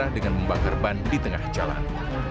dengan membakar ban di tengah jalan